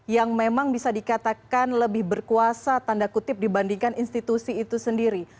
yang memang bisa dikatakan lebih berkuasa tanda kutip dibandingkan institusi itu sendiri